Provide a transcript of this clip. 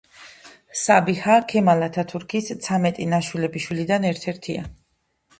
საბიჰა ქემალ ათათურქის ცამეტი ნაშვილები შვილიდან ერთ-ერთია.